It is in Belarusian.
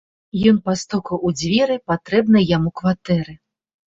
Ён пастукаў у дзверы патрэбнай яму кватэры.